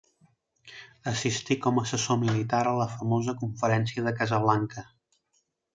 Assistí com assessor militar a la famosa Conferència de Casablanca.